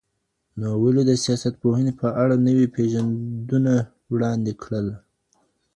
نو ولي د سياستپوهني په اړه نوي پيژندونه وړاندي کړل.